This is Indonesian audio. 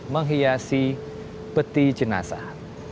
menghiasi peti jenazah